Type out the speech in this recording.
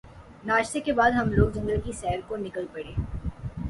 ناشتے کے بعد ہم لوگ جنگل کی سیر کو نکل پڑے